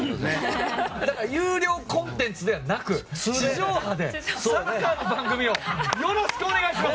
だから有料コンテンツではなく地上波でサッカーの番組をよろしくお願いします！